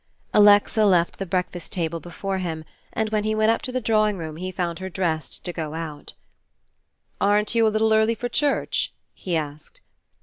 Alexa left the breakfast table before him and when he went up to the drawing room he found her dressed to go out. "Aren't you a little early for church?" he asked.